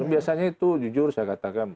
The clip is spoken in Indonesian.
biasanya itu jujur saya katakan